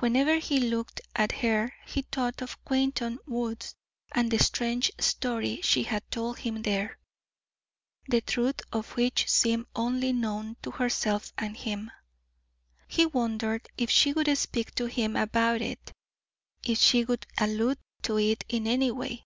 Whenever he looked at her he thought of Quainton woods and the strange story she had told him there, the truth of which seemed only known to herself and him. He wondered if she would speak to him about it if she would allude to it in any way.